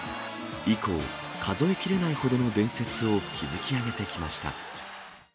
以降、数え切れないほどの伝説を築き上げてきました。